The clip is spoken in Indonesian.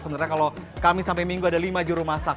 sebenarnya kalau kami sampai minggu ada lima juru masak